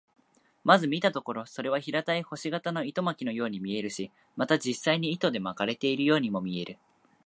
まず見たところ、それは平たい星形の糸巻のように見えるし、また実際に糸で巻かれているようにも見える。